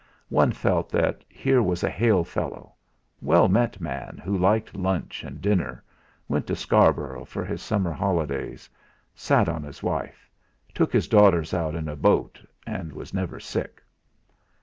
One felt that here was a hail fellow well met man who liked lunch and dinner, went to Scarborough for his summer holidays, sat on his wife, took his daughters out in a boat and was never sick.